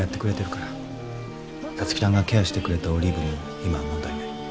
皐月ちゃんがケアしてくれたオリーブも今は問題ない。